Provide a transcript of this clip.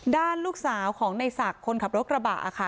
ด้านลูกสาวของในศักดิ์คนขับรถกระบะค่ะ